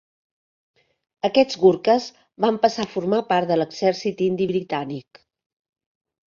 Aquests gurkhes van passar a formar part de l'Exèrcit Indi Britànic.